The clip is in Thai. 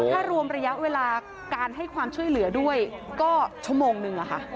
ถ้ารวมระยะเวลาการให้ความช่วยเหลือด้วยก็ชั่วโมงนึง